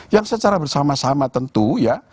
yang secara bersama sama tentu ya